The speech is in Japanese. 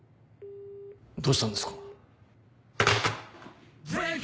どうしたんですか？